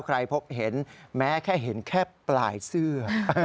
ใครพบเห็นแม้แค่เห็นแค่ปลายเสื้อ